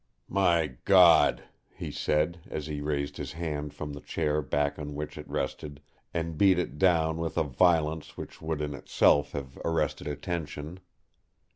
"My God!" he said, as he raised his hand from the chair back on which it rested, and beat it down with a violence which would in itself have arrested attention.